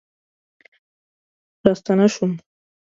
راستنه شوم